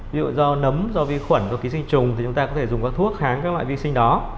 ví dụ do nấm do vi khuẩn do ký sinh trùng thì chúng ta có thể dùng các thuốc kháng các loại vi sinh đó